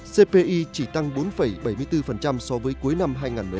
cpi chỉ tăng bốn bảy mươi bốn so với cuối năm hai nghìn một mươi tám